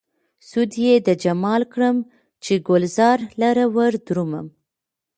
سود يې د جمال کړم، چې ګلزار لره ودرومم